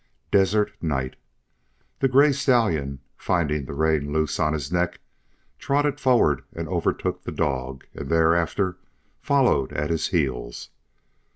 DESERT NIGHT THE gray stallion, finding the rein loose on his neck, trotted forward and overtook the dog, and thereafter followed at his heels.